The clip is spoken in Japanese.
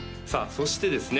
そしてですね